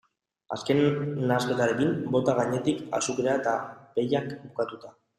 Azken nahasketarekin, bota gainetik azukrea eta pellak bukatuta.